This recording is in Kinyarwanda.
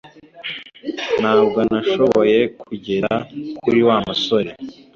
Ntabwo nashoboye kugera kuri Wa musore